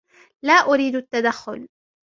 لا ارید التدخل.